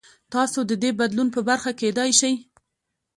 تاسو د دې بدلون برخه کېدای شئ.